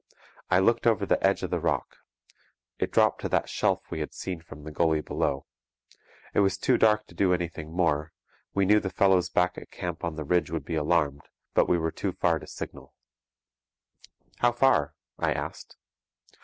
I looked over the edge of the rock. It dropped to that shelf we had seen from the gully below. It was too dark to do anything more; we knew the fellows back at the camp on the ridge would be alarmed, but we were too far to signal.' 'How far?' I asked.